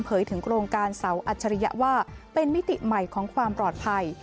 ถึงโครงการเสาอัจฉริยะว่าเป็นมิติใหม่ของความปลอดภัย